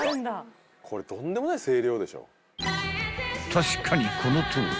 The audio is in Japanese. ［確かにこのとおり］